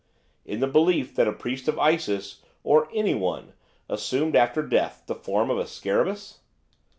'In the belief that a priest of Isis or anyone assumed after death the form of a scarabaeus?